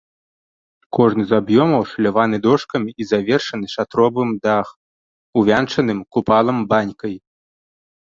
Кожны з аб'ёмаў ашаляваны дошкамі і завершаны шатровым дах, увянчаным купалам-банькай.